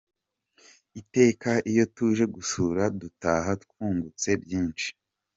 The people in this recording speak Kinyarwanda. Iteka iyo tuje gusura dutaha twungutse byinshi.